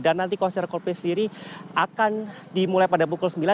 dan nanti konser coldplay sendiri akan dimulai pada pukul sembilan